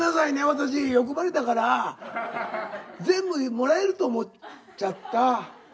私欲張りだから全部もらえると思っちゃった。